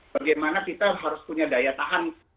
bagaimana kita harus punya daya tahan